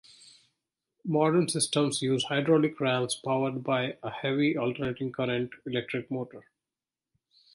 Modern systems use hydraulic rams powered by a heavy alternating current electric motor.